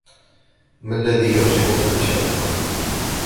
ما الذي يعجبك بشأنها ؟